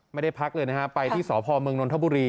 ไม่ได้พักเลยนะฮะไปที่สพเมืองนนทบุรี